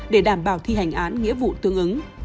để đảm bảo thi hành án nghĩa vụ tương ứng